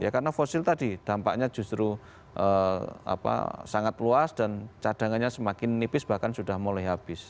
karena fosil tadi dampaknya justru sangat luas dan cadangannya semakin nipis bahkan sudah mulai habis